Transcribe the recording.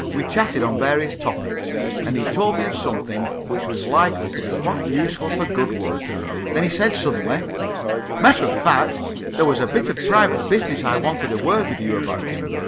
We chatted on various topics, and he told me of something which was likely to be quite useful for Goodwood. Then he said suddenly: "Matter of fact, there was a bit of private business I wanted a word with you about.